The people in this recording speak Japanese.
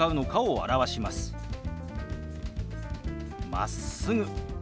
「まっすぐ」。